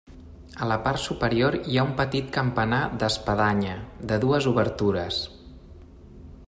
A la part superior hi ha un petit campanar d'espadanya, de dues obertures.